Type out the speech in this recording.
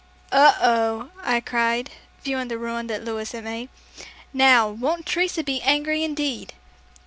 "Oh, oh," I cried, viewing the ruin that Louis had made. "Now, won't Teresa be angry indeed!"